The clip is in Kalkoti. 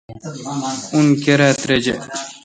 اُن کیرا تریجہ۔